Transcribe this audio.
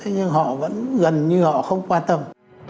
nhưng họ vẫn gần như họ không quan tâm